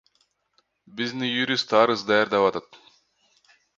Биздин юрист арыз даярдап атат.